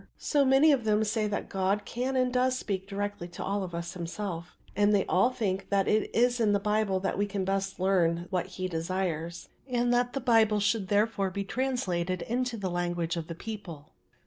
So, many of them say that God can and does speak directly to all of us himself, and they all think that it is in the Bible that we can best learn what he desires, and that the Bible should therefore be translated into the language of the people.